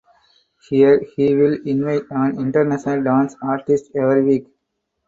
Here he will invite an international dance artist every week.